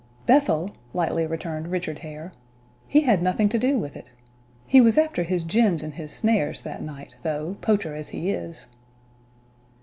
"Bethel!" lightly returned Richard Hare. "He had nothing to do with it. He was after his gins and his snares, that night, though, poacher as he is!"